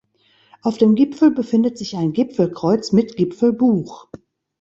Auf dem Gipfel befindet sich ein Gipfelkreuz mit Gipfelbuch.